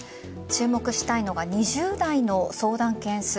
注目したいのは２０代の相談件数。